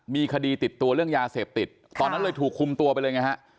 มีคดีติดตัวเรื่องยาเสพติดตอนนั้นเลยถูกคุมตัวไปเลยไงฮะ